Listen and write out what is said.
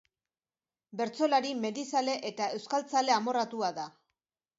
Bertsolari, mendizale eta euskaltzale amorratua da.